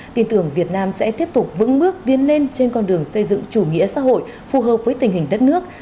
tin tưởng việt nam sẽ tiếp tục vững bước tiến lên trên con đường xây dựng chủ nghĩa xã hội phù hợp với tình hình đất nước